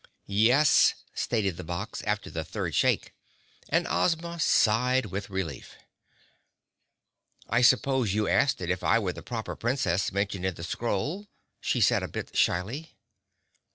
"Yes," stated the box after the third shake, and Ozma sighed with relief. "I suppose you asked it if I were the Proper Princess mentioned in the scroll," she said, a bit shyly.